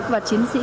và chiến sĩ